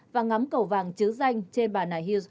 và ngắm cầu vàng chứ danh trên bàn này